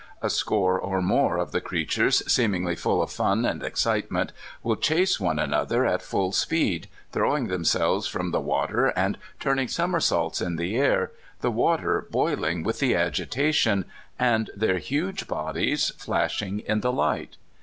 A score or more of the creatures, seemingly full of fun and excitement, will chase one another at full speed, throwing themselves from the water and turnin^r somersaults m the air, the water boiling with the agitation, and (168) SAN QUENTIN. 169 their huge bodies flashing in the hght.